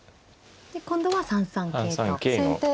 今度は３三桂と。